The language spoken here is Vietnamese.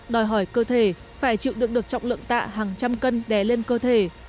đòi hỏi cơ thể phải chịu được được trọng lượng tạ hàng trăm cân đè lên cơ thể